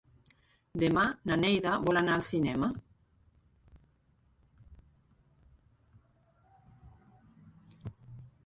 Demà na Neida vol anar al cinema.